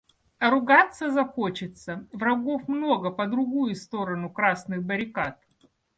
А ругаться захочется — врагов много по другую сторону красных баррикад.